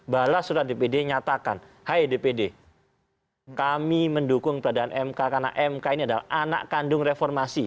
balas surat dpd nyatakan hai dpd kami mendukung peradaan mk karena mk ini adalah anak kandung reformasi